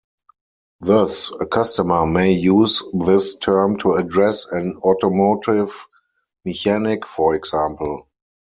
Thus, a customer may use this term to address an automotive mechanic, for example.